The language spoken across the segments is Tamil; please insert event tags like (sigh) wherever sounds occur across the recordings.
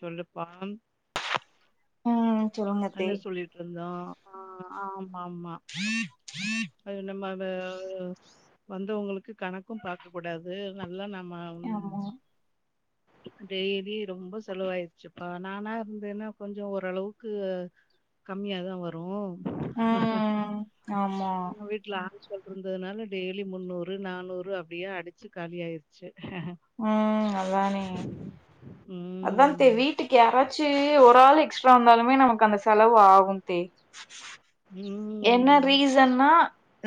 சொல்லுப்பான் ம் சொல்லுங்க தே என்ன சொல்லி ட்ருந்தோ ஆ ஆமா ஆமா உஹம் உம் அது நம்ம வ வந்தவங்களுக்கு கணக்கும் பாக்க கூடாது அது நல்ல நம்ம ஆமா டெய்லி ரொம்ப செலவாயிடுச்சுப்பா நானா இருந்தேன்னா கொஞ்சோ ஓரளவுக்கு கம்மியாதா வரு ம் ஆமா வீட் ல ஆள்கள் இருந்ததுனால டெய்லி முன்னூறு நானூறு அப்டியே அடிச்சு காலி ஆயிருச்சு ம் அதா உஹம் ம் அதா தே வீ ட்டுக்கு யாராச்சி ஒரு ஆள் எக்ஸ்ட்ரா வந்தாலுமே நமக்கு அந்த செலவு ஆகு தே ம் என்ன ரீசன்னா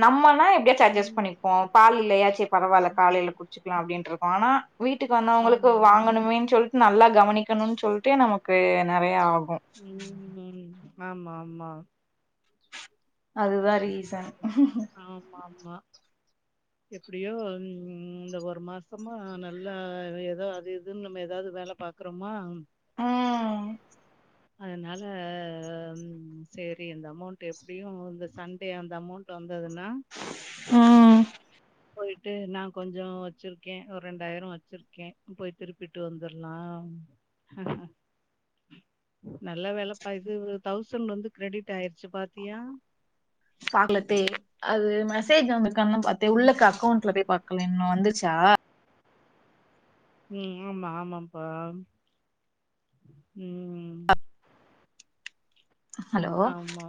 நம்மனா எப்டியாச்சு அட்ஜஸ் ம் பண்ணிப்போம் பால் இல்லயா செ பரவால காலைல குடிச்சுக்கலா அப்டின்டுருப்போ ஆனா வீட்டுக்கு வந்தவுங்களுக்கு ஆமா வாங்கணுமேன் சொல்ட் நல்லா கவனிக்கணுன் சொல்ட்டு நமக்கு நெறையாகு (unintelligible) ஆமா ஆமா அதுதா ரீசன் ஆமா ஆமா எப்டியோ ம் இந்த ஒரு மாசமா நல்லா ஏதோ அது இதுன் நம்ம ஏதாது வேல பாக் குறோமா ம்ம் அதனால செரி இந்த அமௌண்ட்டு எப்டியு இந்த சண்டே அந்த அமௌண்ட் வந்ததுன்னா ம் போய் ட்டு நா கொஞ்சோ வச்சிருக்கே ஒரு ரெண்டாயிரோ வச்சிருக்கே போய் திருப்பிட்டு வந்துர்லா ஹஹ நல்ல வேலப்பா இது தௌசண் வந்து கிரெடிட் ஆயிருச்சு பாத்தியா பாக்கலத்தே அது மெசேஜ் வந்திருக்கானு தா பாத்தே ம். உள்ளக்க அக்கௌண்ட்ல போய் பாக்கல இன்னு வந்துச்சா ம் ஆமா ஆமாப்பா ம் ஹலோ ஆமா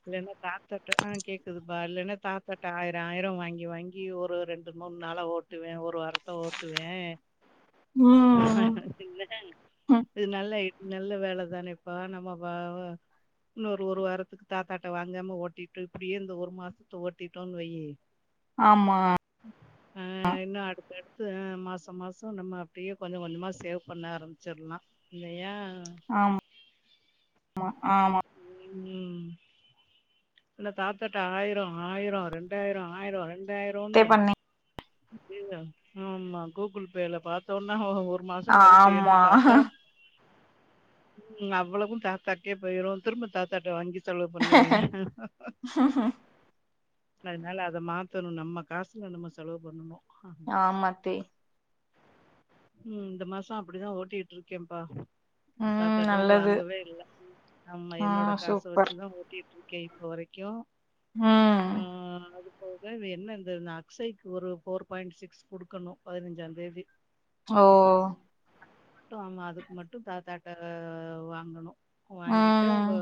இல்லன்னா தாத்தாட்ட ஆ கேக்குதுப்பா இல்லன்னா தாத்தாட்ட ஆயிரோ ஆயிரோ வாங்கி வாங்கி ஒரு ரெண் டு மூணு நாளா ஓட்டுவே ஒரு வாரத்த ஓட்டுவே (inaudible) ஆஹ ம் (unintelligible) ம் இது நல்ல நல்ல வேலதான இப்பா நம்ம பா இன்னொரு ஒரு வாரத்துக்கு தாத்தாட்ட வாங்காம ஓட்டிட்டு இப்டியே இந்த ஒரு மாசத்த ஓட்டிட்டோன்னு வய்யி ஆமா அ இன்னு அடுத்து அடுத்து மாசம் மாசம் நம்ம அப்டியே கொஞ்ச கொஞ்சமா சேவ் பண்ண ஆரம்மிச்சிட்லா இல்லையா ஆம் மா ஆமா ம் இல்ல தாத்தட்ட ஆயிரோ ஆயிரோ ரெண்டாயிரோ ஆயிரோ ரெண் பே டாயிரோன்னு பண்ணி (unintelligible) ஆமா குகுல்பே பாத்தோன்னா மாசங்கழிச்சு ஆமா எண்ணி பாத்தா ம் அவ்வளவு தாத்தாக்கே போயிரு திரும்ப தாத்தாட்ட வாங்கி செலோ பண்ணுவே அதனால அத மாத்தணு நம்ம காசுல நம்ம செலவு பண்ணணு ஆமாத்தே ம் இந்த மாசோ அப்டிதா ஓட்டிட்டு இருக்கேப்பா ம் தாத்தாட்ரேருந்து நல்லது வாங்கவே இல்ல ஆமா என்னோட ம் காச சூப்பர் வச்சுதா ஓட்டிட்ருக்கே இப்ப வரைக்கு ஆ ம் போக இவ என்ன இந்த அக்ஷைக்கு ஒரு போர் பாய்ண்ட் சிக்ஸ் குடுக்கணு பதினஞ்சாந் தேதி ஓ (unintelligible) ஆமா அதுக்கு மட்டு தாத்தாட்ட வாங்கணு வாங்கிட்டு ம் அவ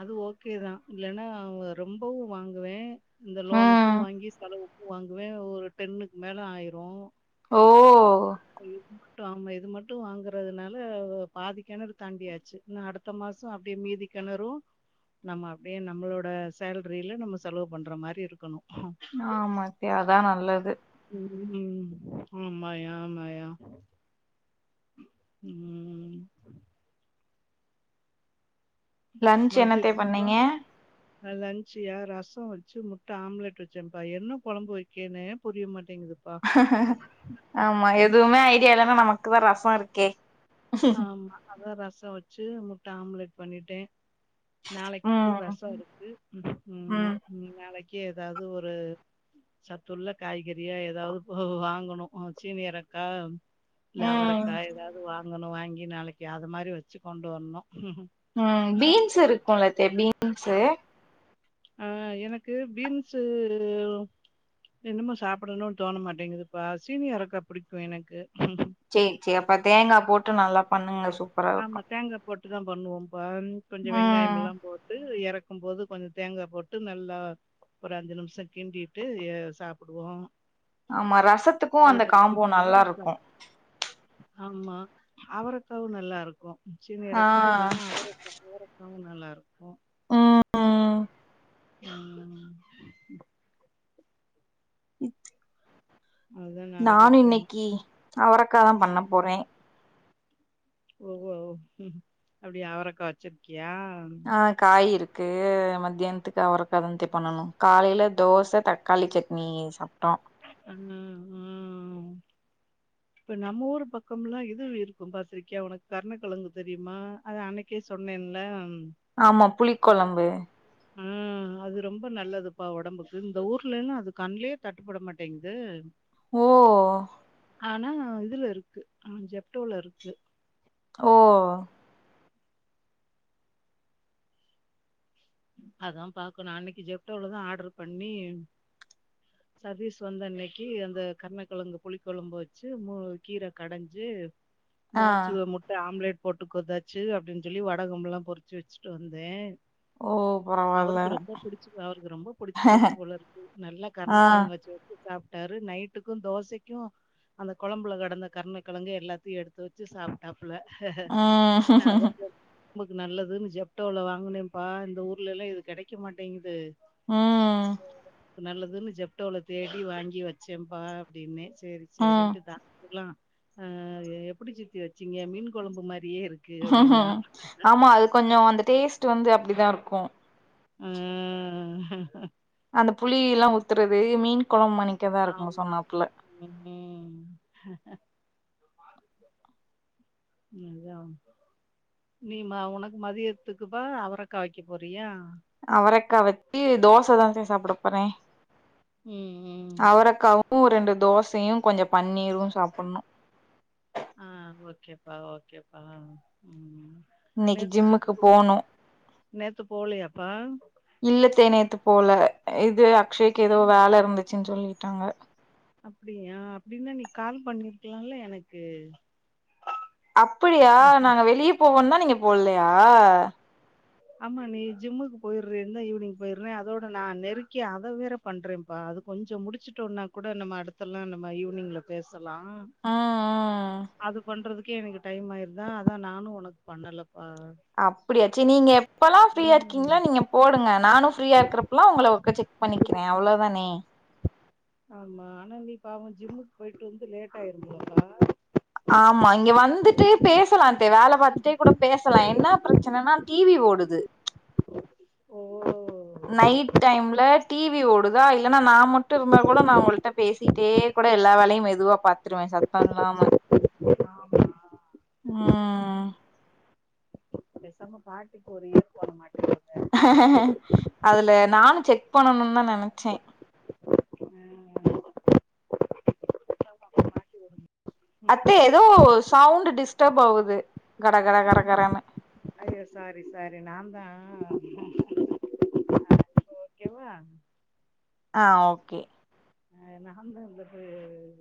அது ஓகேதா இல்லன்னா ரொம்பவு வாங்குவே இந்த லோனுக்கு ம் வாங்கி செலவுக்கு வாங்குவே ஒரு டென்னுக்கு மேல ஆயிரு ஓ சரி ட்டு ஆமா இது மட்டு வாங்கறதுனால பாதிக்கெணறு தாண்டிாச்சு இன்னு அடுத்த மாஸ் சோ அப்டியே மீதி கிணறு நம்ம அப்டியே நம்மளோட சேல்ரில நம்ம செலவு பண்ற மாரி இருக்கணு ஆமாத்தியா அதா நல்லது ம் ம் ஆமாயா ஆமாயா ம் லன்ச் என்னத்தே மதியத்துக்குப்பா பண்ணீங்க லன்சியா ரசோ வெச்சு முட்ட ஆம்லெட் வெச்சேன்ப்பா என்ன கொழம்பு வெக்கேனே புரிய மாட்டேங்குது ஆமா எதுமே ஐடியா இல்லனா நமக்குதா ரசோ இருக்கே ஆமா அதா ரசோ வெச்சு முட்ட ஆம்லெட் பண்ணிட்டேன் நாளைக்கு ம் ரசோ இருக்கு ம் மா நாளைக்கு எதாவது ஒரு சத்துள்ள காய்கறியா எதாவது வாங்கணு சீனக எறக்கா இல்ல ம் அவரைக்கா எதாவது வாங்கணு வாங்கி நாளைக்கு அது மாரி வெச்சு கொண்டு வரனு ம் பீன்ஸ் இருக்குல்லத்த பீன்ஸு ஆ எனக்கு பீன்ஸு என்னமோ சாப்பிடணுனு தோண மாட்டேங்குதுப்பா சீனி அரக்கா புடிக்கு எனக்கு சேரி சேரி அப்ப தேங்கா போட்டு நல்லா பண்ணுங்க சூ ஆமா தேங்கா போட்டுதா பண்ணுவோம்பா கொஞ்சோ வெங்காயம் ம் எல்லா போட்டு எற க்கும்போது கொஞ்சோ தேங்கா போட்டு நல்லா ஒரு அஞ்சு நிமிஷோ கிண்டிட்டு சாப்டுவோ ஆமா ரசத்துக்கு அந்த காம்போ நல்லா அவரக்கா இருக்கு ஆமா அவரக்காவு நல்லா இருக்கு ஆ சீனியரக்கா இல்லனா அவர க்காவு நல்லா இருக்கு அ ஆ ம் அதுதான் நாளைக்கு நானு வைக்கணும். இன்னிக்கி அவரக்காதா பண்ண போறேன் ஒவ்வோ ஓ அப்டி அவரக்கா வெச்சிருக்கியா ஆ காய் இருக்கு மத்தியான்த்துக்கு அவரக்காதாத்த பண்ணணு காலைல தோச தக்காளி சட்னி சாப்ட்டோ ம் ம் இப்ப நம்ம ஊர் பக்கமல்லா இது இருக்கும் பாத்திருக்கியா உனக்கு கருணக்கெழங்கு தெரிமா அது அன்னை க்கே சொன்னேன்ல்ல ஆமா புளி கொழம்பு ம் அது ரொம்ப நல்லதுப்பா ஒடம்புக்கு இந்த ஊர்லல்லா அது கண்லயே தட்டுப்பட மாட்டேங்குது ஓ ஆனா இதுல இருக்கு ஆ ஜெப்டோல இருக்கு ஓ அதான் பாக்கணு அன்னைக்கு ஜெப்டோலதா ஆர்டர் பண்ணி சர்வீஸ் வந்த அன்னைக்கி அந்த கர்ணக்கெழங்கு புளிக்கொழம்பு வெச்சு ம கீர கடஞ்சு ஆ இந்தாச்சி முட்ட ஆம்லேட் போட்டு கொதாச்சு அப்டின் ஜொல்லி வடகமல்லா பொறிச்சி வெச்சுட்டு வந்தே ஓ பரவால்ல அவருக்கு ரொம்ப புடிச்சி அவருக்கு ரொம்ப புடிச்சு போச்சு போலருக்கு நல்லா ஆ கர்ண கெழங் சேத்து சாப்ட்டாரு நைட்டுக்கு தோசைக்கு அந்த கொழம்புல கெடந்த கர்ணக்கெழங்கு எல்லாத்தையு எடுத்து வை ச்சு சாப்ட்டாப்புல நா ம் அதா சொன் உமக்கு நல்லதுன் ஜெப்டோல வாங்குனேப்பா இந்த ஊர்ல எல்லா இது கெடைக்க மாட்டேங்குது ம் நல்லதுன்னு ஜெப்டோல தேடி வாங்கி வச்சேம்பா அப்டின்னே சேரி ம் சேரின்ட்டு தா உக்லா ஆ எப்புடி சித்தி வச்சீங்க மீன் கொழம்பு மாரியே இருக் ஆமா அது கொஞ்சோ அந்த டேஸ்ட்டு வந்து அப்டிதா இருக்கு ம் அந்த புளி எல்லா ஊத்துறது மீன் கொழம்பன்னைக் ஆமா ம் ம் இதாம் நீமா உனக்கு மதியத்துக்குப்பா அவரக்கா வக்க போறியா அவரக்கா வச்சு தோச தாங்கசே சாப்புட போறே ம் ம் அவரக்காவு வு ரெண்டு தோசையு கொஞ்ச பன்னீரும் சாப்புட்னு ஆ ஓகேப்பா ஓகேப்பா ம் ம் இன்னைக்கு நேத் ஜிப் ஜிம்முக்கு போனு நேத்து போலயாப்பா இல்லதே நேத்து போல இது அக்ஷய்க்கு எதோ வேல இருந்துச்சுன் சொல்லீட்டாங்க அப்டியா அப்டின்னா நீ கால் பண்ணிருக்லால எனக்கு அப்புடியா நாங்க வெளிய போவோன்னா நீங்க போலையா ஆமா நீ ஜிம்முக்கு போய்றேன் தா ஈவ்னிங் போயிர்றே அதோட நா நெருக்கி அத வேறப் பண்றேம்பா அது கொஞ்சோ முடிச்சுட்டோன்னா கூட நம்ம அடுத்தெல்லா நம்ம ஈவ்னிங்ல பேசலா ஆ அது பண்றதுக்கே எனக்கு டைம் ஆயிருதா அதா நானு உனக் பண்ணலப்பா அப்புடியா சி நீங்க எப்பல்லா ஃப்ரீயா ம் இருக்கீங்ளோ நீங்கப் போடுங்க நானு ஃப்ரீயா இருக்குறப்பல்லா உங்கள ஒருக்கா செக் பண்ணிக்கிறே அவ்ளோ தானே ஆமா ஆனா நீ பாவோ ஜிம்முக்கு போயிட்டு வந்து லேட் ஆயிருங்களப்பா ஆமா இங்க வந்துட்டு பேசலாத்தே வேல பாத்துட்டே கூட பேசலா என்னா ப்ரச்சுனென்னா டிவி ஓடுது ஓ நைட் டைம்ல டிவி ஓடுதா இல்லென்னா நா மட்டு இருந்தா கூட நா உங்கள்ட்ட பேசிட்டே கூட எல்லா வேலயு மெதுவா பாத்துருவே சத் த்தோ இல்லாம ஆமா ம் பேசாம பாட்டிக்கு ஒரு இயர் ஃபோன மாட்டிவுடுங்க அதுல நானு செக் பண்ணணு தா நெனச்சே ம் அத்த எதோ சவுண்ட் டிஸ்டர்ப் ஆவுது கட கட கரகரன்னு அய்யோ சாரி சாரி நாந்தா அ இப்போ ஓகேவா ஆ ஓகே நா எவ்ளோ பேரு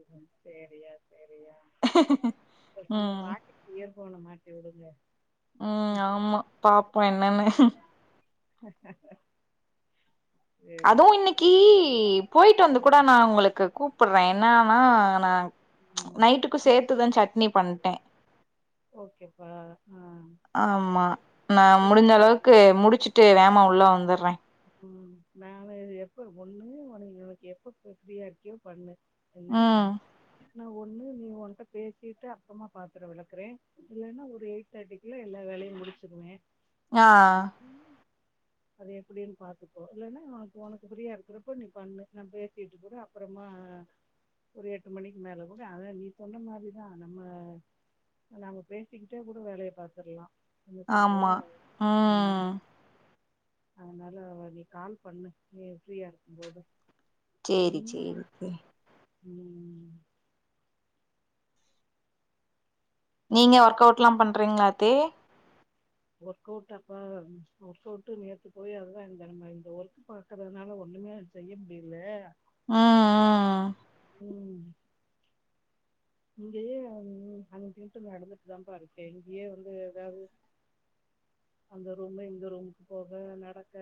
வந்து தெரியாது பேசாம ம் பாட்டிக்கு இயர் ஃபோன மாட்டி வுடுங்க ம் ஆமா பாப்போ என்னனு சரியா அதுவு இன்னைக்கி பொய்ட்டு வந்து கூட நா உங்களுக்கு கூப்ட்றே என்னனா நா நைட்டுக்கு சேத்துதா சட்னி பண்ட்டே ஓகேப்பா ஆ ஆமா நா அப்போ முடிஞ்ச அளவுக்கு முடிச்சுட் ட்டு வேகமா உள்ள வந்தட்ற ம் நானு எப்ப ஒண்ணு உன ஒனக்கு எப்ப ஃபிரீயா இருக்கியோ பண்ணு என்ன ம் நா ஒண்ணு நீ ஒன்ட்ட பேசிட்டு அப்பம்மா பாத்தர விளக்கறே இல்லன்னா ஒரு எயிட் தேர்ட்டிகுள்ள எல்லா வேலயு முடிச்சுருவே ஆ அத எப்படின் பாத்துப்போ இல்லன்னா ஒனக்கு ஃப்ரீயா இருக்கிறப்போ நீ பண்ணு நா பேசிட்டு கூட அப்புறமா ஒரு எட்டு மணிக்கு மேல கூட அதா நீ சொன்ன மாரிதா நம்ம நாம பேசிக்கிட்டே கூட வேலைய பாத்துர்லா ஆமா ம் அதனால நீ கால் பண்ணு நீ ஃப்ரீயா இருக்கும் போது சரி சரி ம் ம் நீங்க ஒர்க் அவுட்ல்லா பண்றீங்களாத்தே ஒர்க் அவுட்டாப்பா ஒர்க் அவுட்டு் நேத்து போய் அதுதா இந்த நெலம இந்த ஒர்க் பாக் கறதனால ஒண்ணுமே செய்ய முடியல ம் ம் ம் இங்கயே அங் அங்குட்டு இங்குட்டு நடந்துட்டுதான்ப்பா இருக்கே இங்கயே வந்து எதாவது அந்த ரூமு இந்த ரூமுக்கு போக நடக்க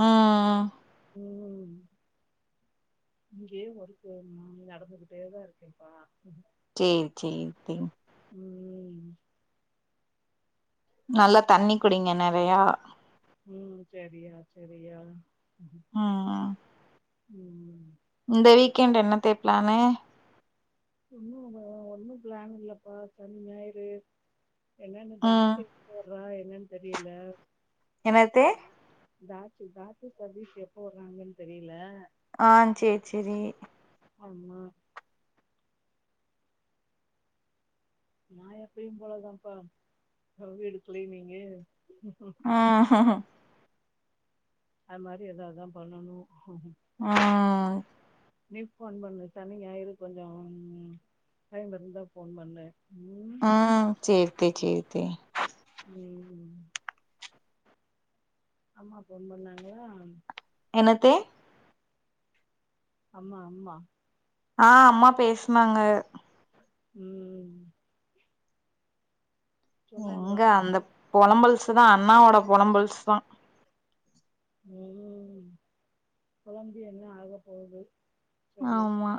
ம் ம் ம் ம் இங்கயே ஒர்க்கு மா நடந்துகிட்டேதா இருக்கேன்ப்பா சேரி சேரி தேங் ம் நல்லா தண்ணி குடிங்க நெறையா ம் சேரியா சேரியா ம் ம் ம் இந்த வீக்கெண்டு என்னத்தே பிளானு ஒன்னுல்ல ஒன்னு பிளான் இல்லப்பா சனி ஞாயிரு என்னென்னு ம் தான்ச்சு போட்றா என்னன் தெரியல என்னத்தே தாச்சு தாசு சதீஷ் எப்ப வறாங்கன்னு தெரியல ஆ சேரி சேரி ஆமா நா எப்பயும் போலதான்ப்பா ஆ வீடு கிளீனிங்கு ஆ அது மாரி ஏதாவதுதா பண்ணணு ம் ம் நீ ஃபோன் பண்ணு சனி ஞாயிறு கொஞ்சோ டைம் இருந்தா ஃபோன் பண்ணு ம் சேரித்தே சேரித்தே ம் அம்மா ஃபோன் பண்ணாங்களா என்னத்தே அம்மா அம்மா ஆ அம்மா பேசுனாங்க ம் சொன்னாங்களா எங்க அந்த உன்கிட்ட புலம்பல்ஸ் தா அண்ணாவோட புலம்பல்ஸ் தா ம் பொலம்பி என்ன ஆக போகுது சொல்லு ஆமா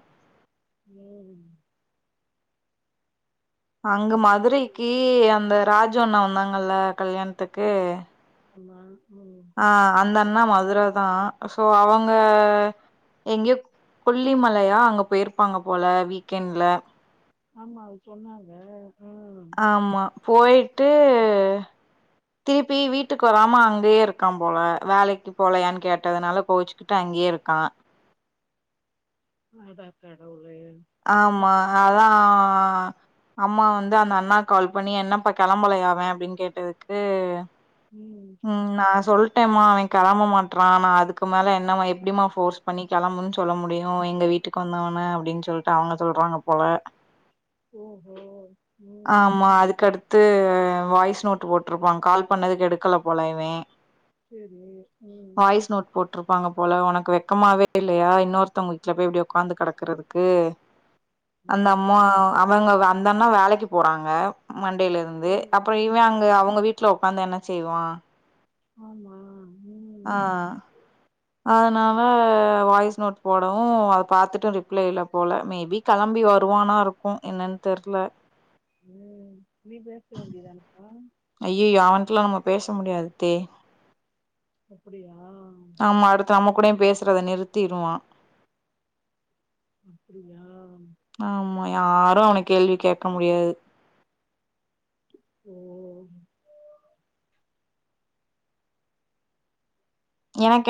ம் அங்க அதுக்கு வழியே மதுரைக்கி அந்த ராஜூ அண்ணா வந்தாங்கல்ல கல்யாண் த்துக்கு ம் ஆமா ம் ஆ அந்த அண் ணா மதுர தா சோ அவங்க எங்கயோ கொல்லிமலையா அங்க போயிருப்பாங்க போல வீக்கெண்ட்ல ஆமா அவக சொன்னாங்க ம் ஆமா போயிட்டு திருப்பி வீட்டுக்கு வராம அங்கயே இருக்கா போல வேலைக்கு போலயான்னு கேட்டதுனால கோவிச் கிட்டு அங்கேயே இருக்கா அட கடவுளே ம் ஆமா அதா அம்மா வந்து அந்த அண்ணா கால் பண்ணி என்னப்ப கிளம்பலயா அவ அப்டின்னு கேட்டதுக்கு ம் ம் நா சொல்ட்டேமா அவ கிளம்ப மாட்றா நா அதுக்கு மேல என்னமா எப்டிமா போர்ஸ் பண்ணி கிளம்புன்னு சொல்ல முடியு எங்க வீட்டுக்கு வந்தவன அப்டின்னு சொல்ட்டு அவங்க சொல்றாங்க போல ஓகே ஆமா அதுக்கடுத்து வாய்ஸ் நோட் போட்டிருப்பாங் கால் பண்ணதுக்கு எடுக்கல போல இவே செரி ம் போட்டிருப்பாங்க போல உனக்கு வெக்கமாவே இல்லயா இன்னொருத்தவங்க வீட்ல போய் இப்டி உக்காந்து கிடக்கறதுக்கு அந்த ம் அம்மா அவங்க அந்தண்ணா வேலைக்கி போறாங்க மண்டேல இருந்து ஓ அப்றம் இவே அங்க அவங்க வீட்ல உக்காந்து என்ன செய்வா ஆமா ம் ஆ அதனால வாய்ஸ் நோட் போடவு அத பாத்துட்டு ரிப்ளை இல்ல போல மேபி கிளம்பி வருவானாருக்கு என்னன்னு தெர்ல ம் நீ பேச வேண்டியதானப்பா ஐய்யயோ அவன்டலா நம்ம பேச முடியாதுத்தே அப்புடியா ஆமா அடுத்து நம்ம கூடயு பேசுறத நிறுத்திருவா அப்டியா ஆமா யாரு அவன கேள்வி கேக்க முடியாது ம் எனக்கு